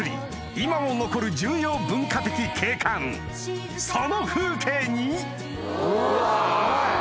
今も残る重要文化的景観その風景にうわ。